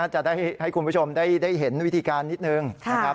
จะให้คุณผู้ชมได้เห็นวิธีการนิดหนึ่ง